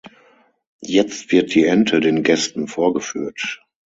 Jetzt wird die Ente den Gästen vorgeführt.